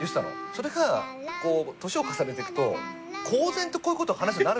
それがこう年を重ねていくと公然とこういうこと話すようになるんだよね。